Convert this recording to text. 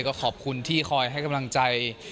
ก็ขอบคุณที่คอยให้กำลังใจ